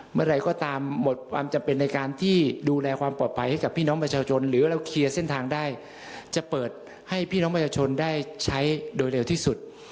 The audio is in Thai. เมื่อไหร่ก็ตามหมดความจำเป็นในการที่ดูแลความปลอดภัยให้กับพี่น้องประชาชนหรือเราเคลียร์เส้นทางได้จะเปิดให้พี่น้องประชาชนได้ใช้โดยเร็วที่สุด